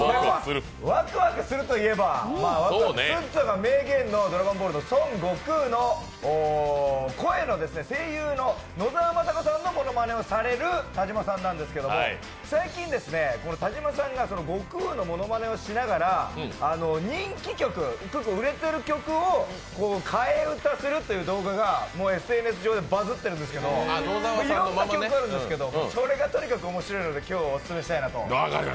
ワクワクするといえば、「ワクワクすっぞ」が名言の「ドラゴンボール」の孫悟空の声優の野沢雅子さんのものまねをされる田島さんなんですけど、最近、田島さんが悟空のものまねをしながら人気曲、売れてる曲を替え歌するという動画がＳＮＳ上でバズっているんですけど、いろいろな曲があるんですけど、それがとにかく面白いので今日、オススメしたいなと。